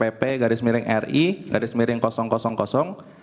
dengan laporan nomor dua garis miring rek garis miring lp garis miring pp garis miring kpp